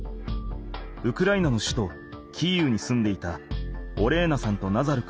ウクライナの首都キーウに住んでいたオレーナさんとナザル君の親子。